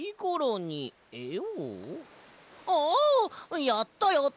ああやったやった！